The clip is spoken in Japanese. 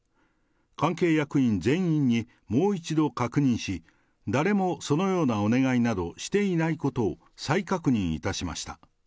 関係役員全員にもう一度確認し、誰もそのようなお願いなどしていないことを再確認いたしました。